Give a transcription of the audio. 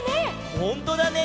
ほんとだね。